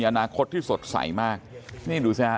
คุณยายบอกว่ารู้สึกเหมือนใครมายืนอยู่ข้างหลัง